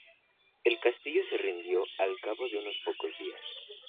El castillo se rindió al cabo de unos pocos días.